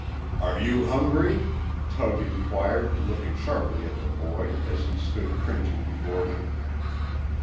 "Are you hungry?" Tug inquired, looking sharply at the boy, as he stood cringing before him.